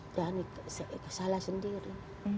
dan salah sendiri